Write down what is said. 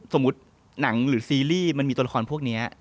สมมุติหนังหรือซีรีส์มันมีตัวละครพวกนี้